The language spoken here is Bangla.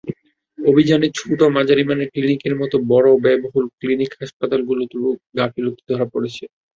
অভিযানে ছোট, মাঝারি মানের ক্লিনিকের মতো বড়, ব্যয়বহুল ক্লিনিক হাসপাতালগুলোরও গাফিলতি ধরা পড়েছে।